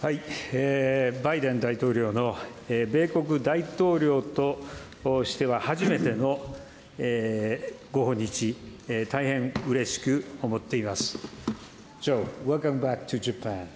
バイデン大統領の米国大統領としては初めてのご訪日、大変うれしく思っています。